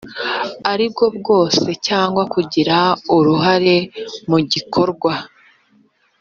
ari bwo bwose cyangwa kugira uruhare mu gikorwa